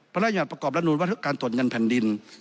พระราชยัติประกอบรัฐนูลว่าการตรวจเงินแผ่นดิน